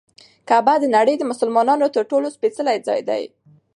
کعبه د نړۍ د مسلمانانو تر ټولو سپېڅلی ځای دی.